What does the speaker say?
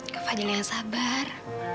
kepada yang sabar